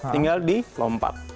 tinggal di lompat